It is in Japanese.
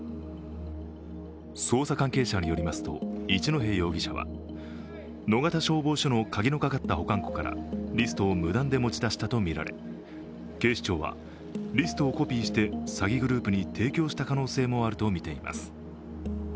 捜査関係者によりますと一戸容疑者は野方消防署の鍵のかかった保管庫からリストを無断で持ち出したとみられ警視庁はリストをコピーして詐欺グループに提供した可能性もあるとみています。